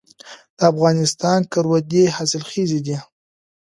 د افغانستان کروندې حاصلخیزه دي